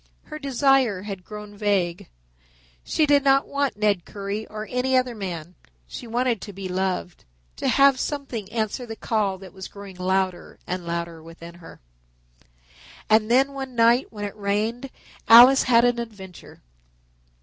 Her desire had grown vague. She did not want Ned Currie or any other man. She wanted to be loved, to have something answer the call that was growing louder and louder within her. And then one night when it rained Alice had an adventure.